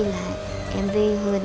là em bắt chị em